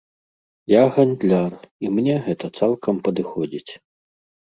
Я гандляр, і мне гэта цалкам падыходзіць.